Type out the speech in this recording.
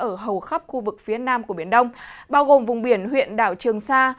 ở hầu khắp khu vực phía nam của biển đông bao gồm vùng biển huyện đảo trường sa